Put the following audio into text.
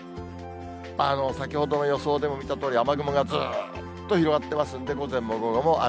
先ほどの予想でも見たとおり、雨雲がずっと広がってますんで、午前も午後も雨。